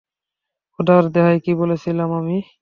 খোদার দোহাই, কী বলেছিলাম আমি?